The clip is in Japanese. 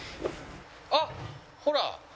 あっほら！